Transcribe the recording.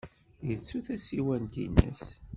Yettu tasiwant-nnes.